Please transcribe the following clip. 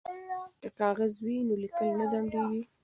که کاغذ وي نو لیکل نه ځنډیږي.